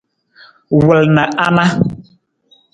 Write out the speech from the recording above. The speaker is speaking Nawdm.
Wal na a na.